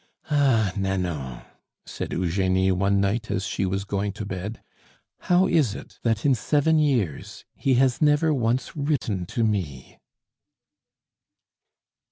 "Ah! Nanon," said Eugenie, one night as she was going to bed, "how is it that in seven years he has never once written to me?"